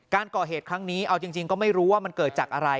การก่อเหตุครั้งนี้เอาจริงก็ไม่รู้ว่ามันเกิดจากอะไร